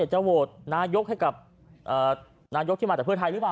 จะโหวตนายกให้กับนายกที่มาจากเพื่อไทยหรือเปล่า